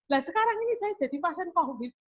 nah sekarang ini saya jadi pasien covid